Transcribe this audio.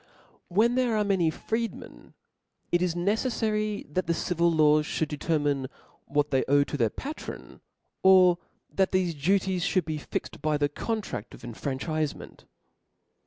When there are many freedmen, it is neceffary that the civil laws fliould determine what they owe to their patron, or that thefe duties fliould be fixed by the contrad of infranchifement.